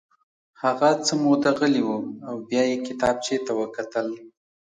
هغه څه موده غلی و او بیا یې کتابچې ته وکتل